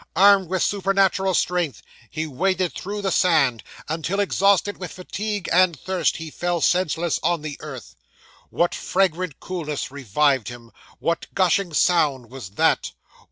Armed with supernatural strength, he waded through the sand, until, exhausted with fatigue and thirst, he fell senseless on the earth. What fragrant coolness revived him; what gushing sound was that?